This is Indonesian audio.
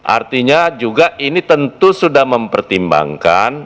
artinya juga ini tentu sudah mempertimbangkan